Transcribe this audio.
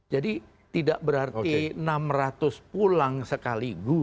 jadi tidak berarti enam ratus pulang sekaligus